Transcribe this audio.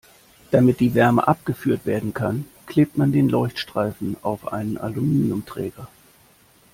Damit die Wärme abgeführt werden kann, klebt man den Leuchtstreifen auf einen Aluminiumträger.